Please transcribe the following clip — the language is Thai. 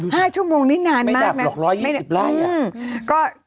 ห้าชั่วโมงนี่นานมากนะไม่ดับหรอก๑๒๐ไร่อ่ะ